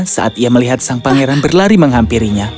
saat ia melihat sang pangeran berlari menghampirinya